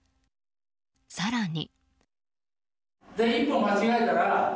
更に。